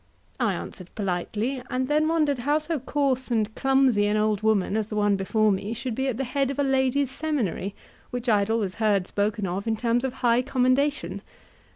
I answered politely, and then wondered how so coarse and clumsy an old woman as the one before me should be at the head of a ladies' seminary, which I had always heard spoken of in terms of high commendation.